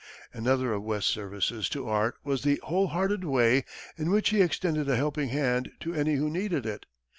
Another of West's services to art was the wholehearted way in which he extended a helping hand to any who needed it.